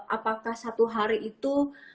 apakah satu hari itu